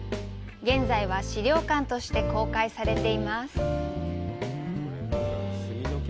現在は、資料館として公開されています。